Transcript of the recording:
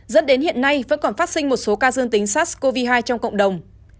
dẫn đến hiện nay vẫn còn phát sinh một số ca dương tính sars cov hai trong cộng đồng